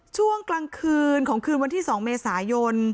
ช่วงกลางคืนของคืนวันที่๒เมษายน